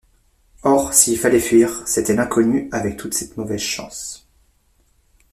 Or, s’il fallait fuir, c’était l’inconnu avec toutes ses mauvaises chances.